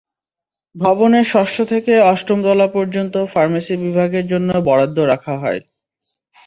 ভবনের ষষ্ঠ থেকে অষ্টম তলা পর্যন্ত ফার্মেসি বিভাগের জন্য বরাদ্দ রাখা হয়।